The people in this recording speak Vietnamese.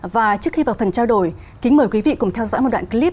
và trước khi vào phần trao đổi kính mời quý vị cùng theo dõi một đoạn clip